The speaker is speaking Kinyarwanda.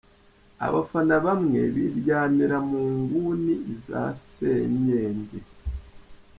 Abafana bamwe biryamira mu nguni za Senyenge.